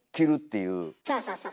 そうそうそうそう。